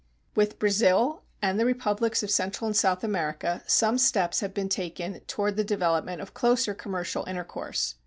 With Brazil and the Republics of Central and South America some steps have been taken toward the development of closer commercial intercourse.